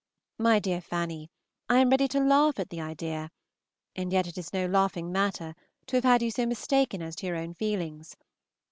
My dear Fanny, I am ready to laugh at the idea, and yet it is no laughing matter to have had you so mistaken as to your own feelings.